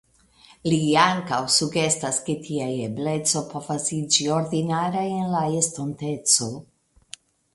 Li ankaŭ sugestas ke tia ebleco povas iĝi ordinara en la estonteco.